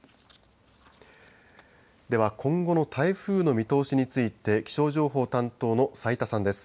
では今後の台風の見通しについて気象情報担当の斉田さんです。